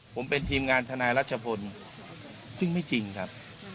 ผมเป็นทีมงานทนายรัชพลซึ่งไม่จริงครับ